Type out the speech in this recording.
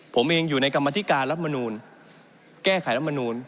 ผมเองอยู่ในกรรมธิการรัฐมนูลแก้ไขรัฐมนูล